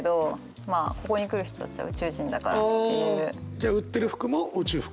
じゃあ売ってる服も宇宙服？